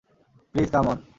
Please come on.